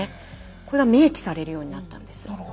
これが明記されるようになったんです。